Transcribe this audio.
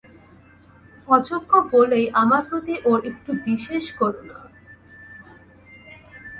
অযোগ্য বলেই আমার প্রতি ওঁর একটু বিশেষ করুণা।